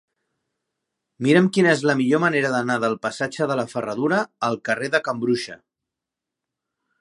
Mira'm quina és la millor manera d'anar del passatge de la Ferradura al carrer de Can Bruixa.